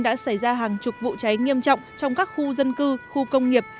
đã xảy ra hàng chục vụ cháy nghiêm trọng trong các khu dân cư khu công nghiệp